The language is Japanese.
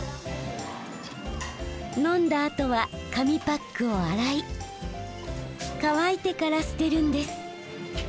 飲んだあとは紙パックを洗い乾いてから捨てるんです。